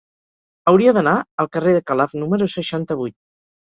Hauria d'anar al carrer de Calaf número seixanta-vuit.